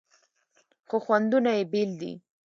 خو خوندونه یې بیل دي.